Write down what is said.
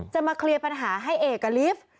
จะมาเคลียร์ปัญหาให้เอกกับลิฟต์